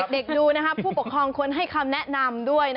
ดูผู้ปกครองควรให้คำแนะนำด้วย